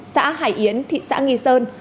xã hải yến thị xã nghì sơn